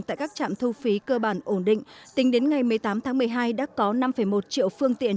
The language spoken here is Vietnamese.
tại các trạm thu phí cơ bản ổn định tính đến ngày một mươi tám tháng một mươi hai đã có năm một triệu phương tiện